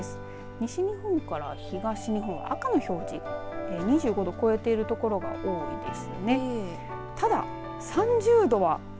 西日本から東日本赤の表示、２５度超えているところが多いです。